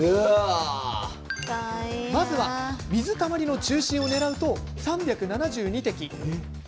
まずは、水たまりの中心を狙うと３７２滴。